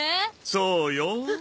そうよ。